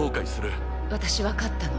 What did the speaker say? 私分かったの。